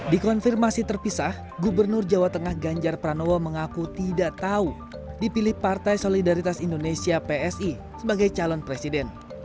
di konfirmasi terpisah gubernur jawa tengah ganjar pranowo mengaku tidak tahu dipilih partai solidaritas indonesia psi sebagai calon presiden